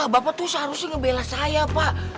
bapak tuh seharusnya ngebela saya pak